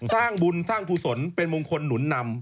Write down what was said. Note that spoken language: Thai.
สร้างบุญสร้างกุศลเป็นมงคลหนุนนำ